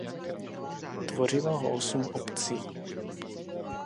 Tvořilo ho osm obcí.